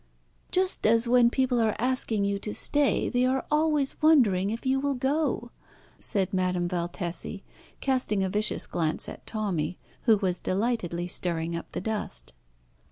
"Just as when people are asking you to stay they are always wondering if you will go," said Madame Valtesi, casting a vicious glance at Tommy, who was delightedly stirring up the dust.